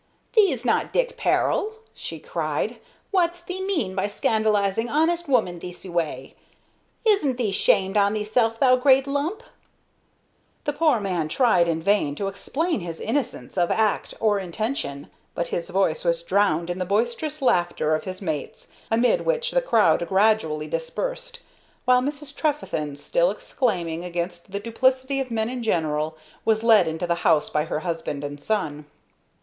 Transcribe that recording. "Thee's not Dick Peril!" she cried. "W'at's thee mean by scandalizing honest woman thiccy way? Isn't thee 'shamed on thysel', thou great lump?" The poor man tried in vain to explain his innocence of act or intention, but his voice was drowned in the boisterous laughter of his mates, amid which the crowd gradually dispersed, while Mrs. Trefethen, still exclaiming against the duplicity of men in general, was led into the house by her husband and son.